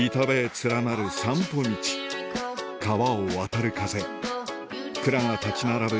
連なる散歩道川を渡る風蔵が立ち並ぶ